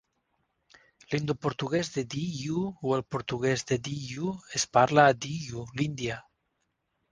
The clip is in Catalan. L'indoportuguès de Diu o el portuguès de Diu es parla a Diu, l'Índia.